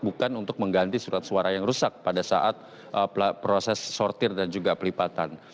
bukan untuk mengganti surat suara yang rusak pada saat proses sortir dan juga pelipatan